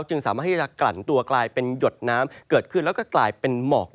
จึงสามารถที่จะกลั่นตัวกลายเป็นหยดน้ำเกิดขึ้นแล้วก็กลายเป็นหมอก